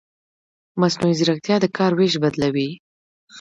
مصنوعي ځیرکتیا د کار وېش بدلوي.